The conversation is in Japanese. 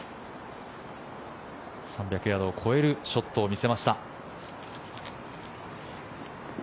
３００ヤードを超えるショットを見せました。